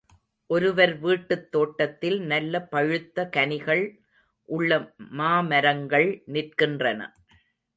ஒருவர் வீட்டுத் தோட்டத்தில் நல்ல பழுத்த கனிகள் உள்ள மாமரங்கள் நிற்கின்றன.